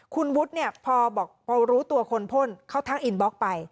คุณวุฒิเนี่ยพอบอกพอรู้ตัวคนพ่นเขาทักอินบล็อกไป